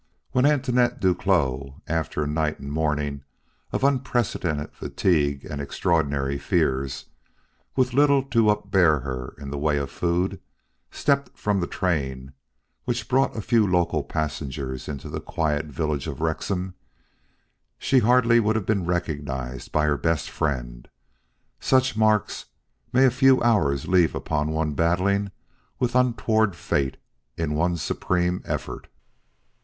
When Antoinette Duclos, after a night and morning of unprecedented fatigue and extraordinary fears, with little to upbear her in the way of food, stepped from the train which brought a few local passengers into the quiet village of Rexam, she hardly would have been recognized by her best friend, such marks may a few hours leave upon one battling with untoward Fate in one supreme effort.